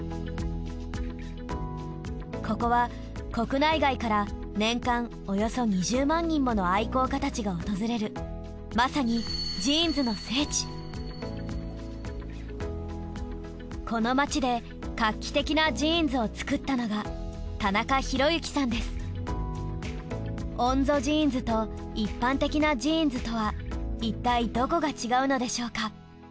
ここは国内外から年間およそ２０万人もの愛好家たちが訪れるまさにこの街で画期的なジーンズを作ったのがＯＮＺＯジーンズと一般的なジーンズとはいったいどこが違うのでしょうか。